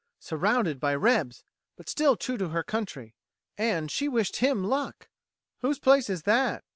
Surrounded by "rebs" but still true to her country! And she wished him luck! "Whose place is that?"